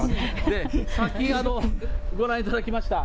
さっき、ご覧いただきました